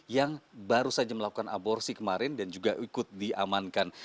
yang baru saja melakukan aborsi kemarin dan juga ikut diamankan